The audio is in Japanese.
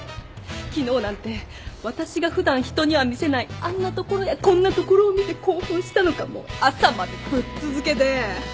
昨日なんて私が普段人には見せないあんなところやこんなところを見て興奮したのかもう朝までぶっ続けで。